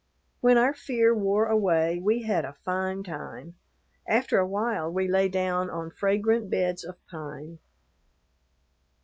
When our fear wore away, we had a fine time. After a while we lay down on fragrant beds of pine.